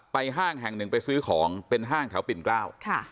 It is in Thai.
ห้างแห่งหนึ่งไปซื้อของเป็นห้างแถวปิ่นเกล้า